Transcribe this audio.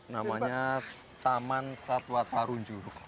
namanya taman satwatwarunjuruk